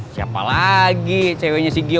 siapa lagi ceweknya si gia